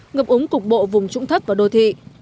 ngập úng cục bộ vùng trũng thấp và đô thị